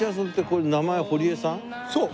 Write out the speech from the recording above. そう！